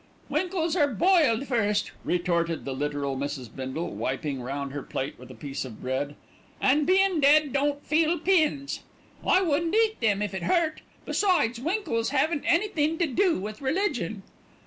"Winkles are boiled first," retorted the literal Mrs. Bindle, wiping round her plate with a piece of bread; "an' bein' dead don't feel pins. I wouldn't eat them if it hurt. Besides, winkles haven't anythin' to do with religion."